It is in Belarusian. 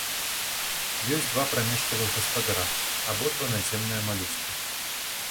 Ёсць два прамежкавых гаспадара, абодва наземныя малюскі.